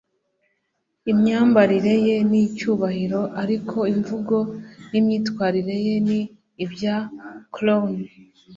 imyambarire ye ni iy'icyubahiro, ariko imvugo n'imyitwarire ye ni ibya clown